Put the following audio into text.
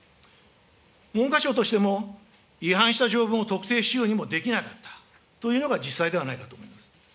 文科省としても、違反した条文を特定しようにもできなかったというのが実際ではないかと思います。